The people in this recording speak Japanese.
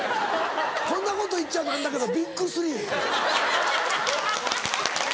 こんなこと言っちゃ何だけどＢＩＧ３。